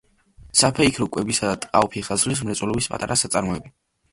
საფეიქრო, კვებისა და ტყავ-ფეხსაცმლის მრეწველობის პატარა საწარმოები.